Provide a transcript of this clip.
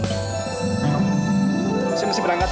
masih masih berangkat